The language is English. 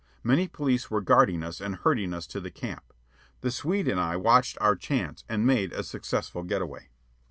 Many police were guarding us and herding us to the camp. The Swede and I watched our chance and made a successful get away.